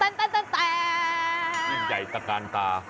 ยิ่งใหญ่ตะตานตา